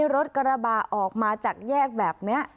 รถกระบะออกมาจากแยกแบบนี้